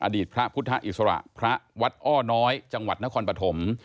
อดีตพระพุทธอิสระพระวัดอ้อน้อยจังหวัดนครปฐม